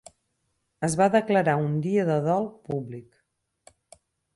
Es va declarar un dia de dol públic.